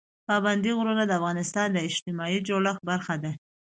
پابندي غرونه د افغانستان د اجتماعي جوړښت برخه ده.